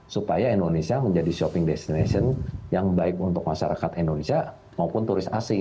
supaya indonesia menjadi shopping destination yang baik untuk masyarakat indonesia maupun turis asing